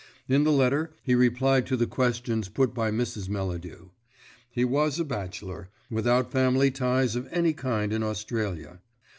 In the letter he replied to the questions put by Mrs. Melladew. He was a bachelor, without family ties of any kind in Australia.